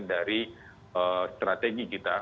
dari strategi kita